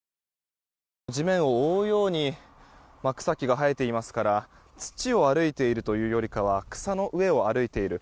地面を覆うように草木が生えていますから土を歩いているというよりかは草の上を歩いている。